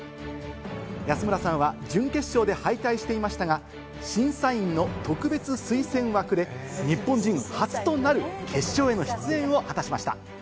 安村さんは準決勝で敗退していましたが、審査員の特別推薦枠で日本人初となる決勝への出演を果たしました。